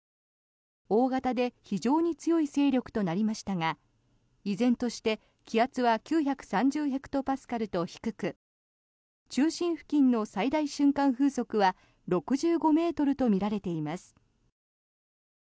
大型で非常に強い勢力となりましたが依然として気圧は９３０ヘクトパスカルと低く中心付近の最大瞬間風速は６５ｍとみられています。